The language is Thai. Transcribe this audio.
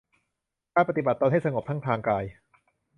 การปฏิบัติตนให้สงบทั้งทางกาย